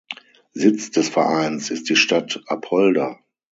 Sitz des Vereins ist die Stadt Apolda.